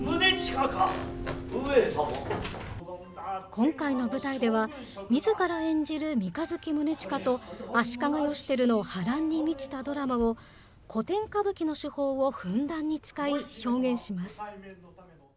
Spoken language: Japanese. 今回の舞台では、みずから演じる三日月宗近と、足利義輝の波乱に満ちたドラマを、古典歌舞伎の手法をふんだんに使い、表現します。